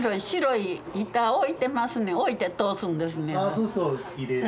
そうすると入れれる。